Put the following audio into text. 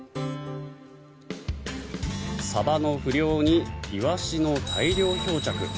サバの不漁にイワシの大量漂着。